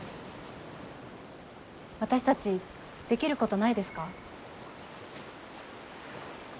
私たちできることないですか？